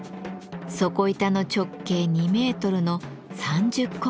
底板の直径２メートルの３０石サイズ。